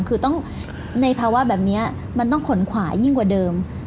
คือต้องในภาวะแบบนี้มันต้องขนขวายิ่งกว่าเดิม